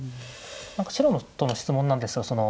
何か素人の質問なんですが。